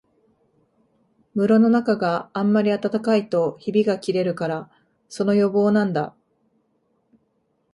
室のなかがあんまり暖かいとひびがきれるから、その予防なんだ